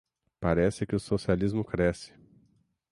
Parece que o socialismo cresce...